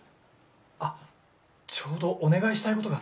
あっちょうどお願いしたいことが。